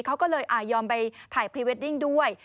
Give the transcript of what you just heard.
เขาก็เลยยอมไปถ่ายพรีเวดดิ้งด้วย